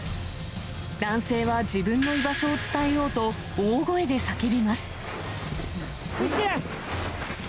男性は自分の居場所を伝えようと、大声で叫びます。